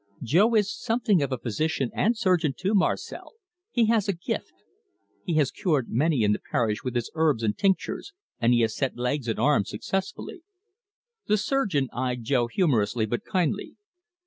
"Jo is something of a physician and surgeon too, Marcel. He has a gift. He has cured many in the parish with his herbs and tinctures, and he has set legs and arms successfully." The surgeon eyed Jo humorously, but kindly.